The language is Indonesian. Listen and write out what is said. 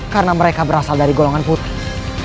karena mereka berasal dari golongan putih